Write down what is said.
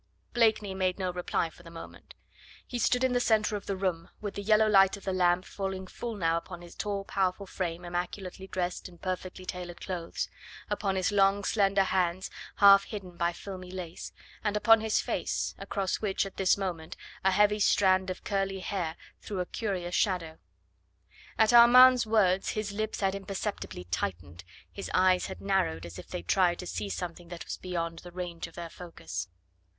Blakeney made no reply for the moment. He stood in the centre of the room, with the yellow light of the lamp falling full now upon his tall powerful frame, immaculately dressed in perfectly tailored clothes, upon his long, slender hands half hidden by filmy lace, and upon his face, across which at this moment a heavy strand of curly hair threw a curious shadow. At Armand's words his lips had imperceptibly tightened, his eyes had narrowed as if they tried to see something that was beyond the range of their focus.